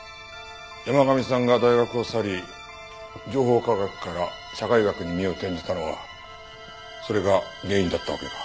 山神さんが大学を去り情報科学から社会学に身を転じたのはそれが原因だったわけか。